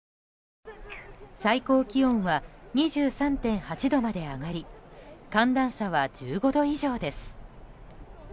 最高気温は２３．８度まで上がり寒暖差は１５度以上です。